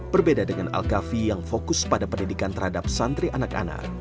berbeda dengan al kafi yang fokus pada pendidikan terhadap santri anak anak